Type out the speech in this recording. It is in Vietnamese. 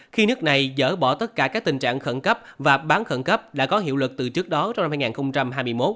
khi nước này dỡ bỏ tất cả các tình trạng khẩn cấp và bán khẩn cấp đã có hiệu lực từ trước đó trong năm hai nghìn hai mươi một